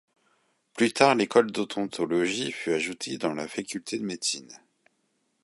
Plus tard, l’école d’odontologie fut ajoutée dans la faculté de médecine.